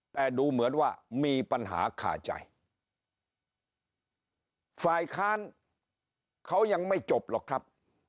แต่ดูเหมือนว่ามีปัญหาคาใจฝ่ายค้านเขายังไม่จบหรอกครับ